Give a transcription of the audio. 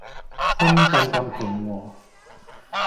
深圳咁平和